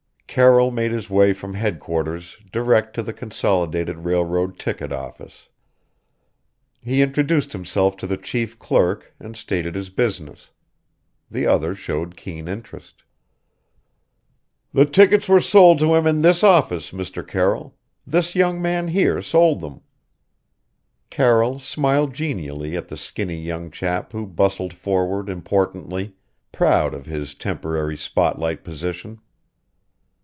Carroll made his way from headquarters direct to the consolidated railroad ticket office. He introduced himself to the chief clerk and stated his business. The other showed keen interest. "The tickets were sold to him in this office, Mr. Carroll. This young man here sold them." Carroll smiled genially at the skinny young chap who bustled forward importantly, proud of his temporary spotlight position.